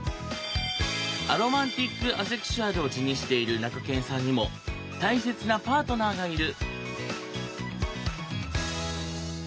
アロマンティック・アセクシュアルを自認しているなかけんさんにも大切なパートナーがいる。